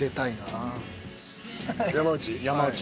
山内？